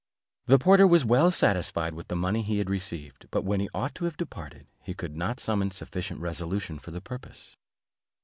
The porter was well satisfied with the money he had received; but when he ought to have departed, he could not summon sufficient resolution for the purpose.